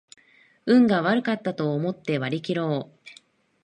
運が悪かったと思って割りきろう